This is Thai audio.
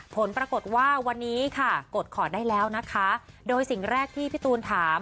ผลปรากฏว่าวันนี้ค่ะกดขอดได้แล้วนะคะโดยสิ่งแรกที่พี่ตูนถาม